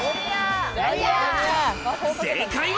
正解は。